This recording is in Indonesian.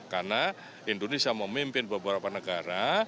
karena indonesia memimpin beberapa negara